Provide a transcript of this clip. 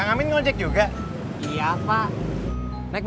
terima kasih pak